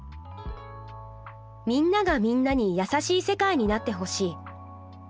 「みんながみんなに優しい世界になってほしい。